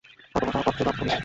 কত বড় সাহস পরচুলা বলিস?